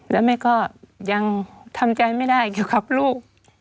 แล้วแม่ก็ยังทำใจไม่ได้เกี่ยวกับลูก